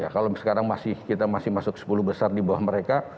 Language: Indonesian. kalau sekarang masih kita masih masuk sepuluh besar di bawah mereka